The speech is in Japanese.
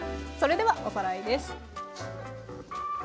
それではおさらいです。